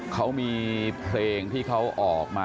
เขามีเพลงที่เขาออกมา